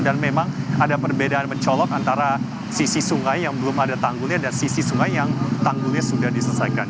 dan memang ada perbedaan mencolok antara sisi sungai yang belum ada tanggulnya dan sisi sungai yang tanggulnya sudah diselesaikan